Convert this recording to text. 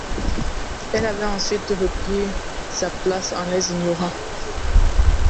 Elle avait ensuite repris sa place en les ignorant.